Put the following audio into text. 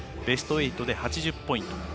ベスト４で１２０ポイント。